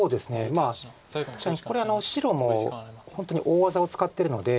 まあ確かにこれ白も本当に大技を使ってるので。